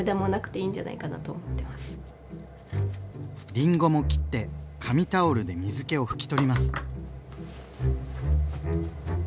りんごも切って紙タオルで水けを拭き取ります。